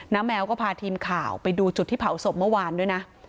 แมวก็พาทีมข่าวไปดูจุดที่เผาศพเมื่อวานด้วยนะ